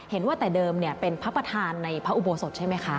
เห็นว่าแต่เดิมเป็นพระประธานในพระอุโบสถใช่ไหมคะ